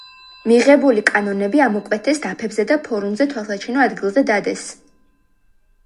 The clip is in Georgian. მიღებული კანონები ამოკვეთეს დაფებზე და ფორუმზე თვალსაჩინო ადგილზე დადეს.